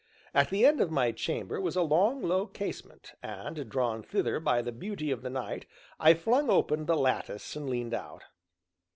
At the end of my chamber was a long, low casement, and, drawn thither by the beauty of the night, I flung open the lattice and leaned out.